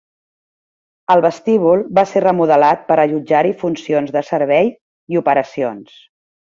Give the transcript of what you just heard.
El vestíbul va ser remodelat per allotjar-hi funcions de servei i operacions.